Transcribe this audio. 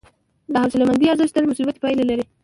د حوصلهمندي ارزښت تل مثبتې پایلې لري.